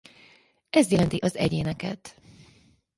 Ez jelenti az egyéneket.